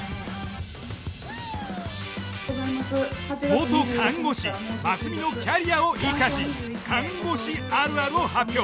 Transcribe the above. ・元看護師ますみのキャリアを生かし「看護師あるある」を発表。